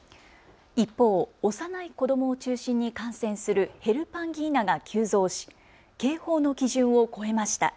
一方、幼い子どもを中心に感染するヘルパンギーナが急増し警報の基準を超えました。